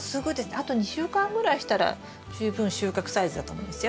あと２週間ぐらいしたら十分収穫サイズだと思いますよ。